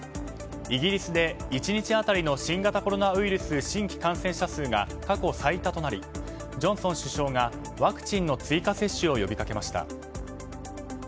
イギリスで１日当たりの新型コロナウイルス新規感染者数が過去最多となりジョンソン首相がワクチンの追加接種を呼びかけました。